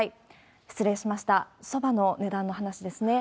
失礼しました、そばの値段の話ですね。